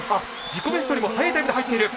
自己ベストよりも速いタイムで入っている。